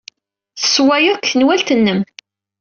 Tessewwayeḍ deg tenwalt-nnem.